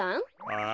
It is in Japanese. あ？